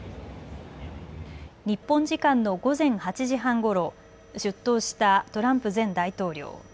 日本時間の午前８時半ごろ、出頭したトランプ前大統領。